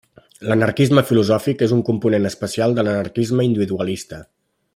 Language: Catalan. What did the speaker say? L'anarquisme filosòfic és un component especial de l'anarquisme individualista.